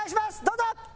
どうぞ！